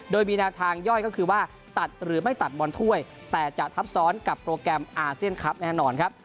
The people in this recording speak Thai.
โดยมีแนวทางย่อยก็คือว่าตัดหรือไม่ตัดบอลถ้วยแต่จะทับซ้อนกับโปรแกรมอาเซียนคลับแน่นอนครับ